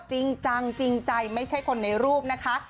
จริงจังจริงใจไม่ใช่คนในรูปนะคะ